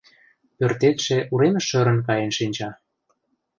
— Пӧртетше уремыш шӧрын каен шинча.